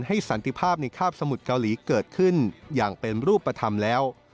สันติภาพในคาบสมุทรเกาหลีเกิดขึ้นอย่างเป็นรูปธรรมแล้ว